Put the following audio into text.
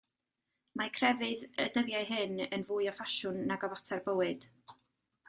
Mae crefydd y dyddiau hyn yn fwy o ffasiwn nag o fater bywyd.